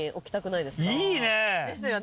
いいですよね。